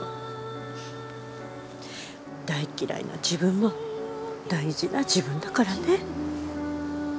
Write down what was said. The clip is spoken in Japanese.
大嫌いな自分も大事な自分だからね。